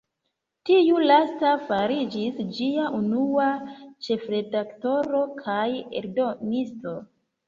Tiu lasta fariĝis ĝia unua ĉefredaktoro kaj eldonisto.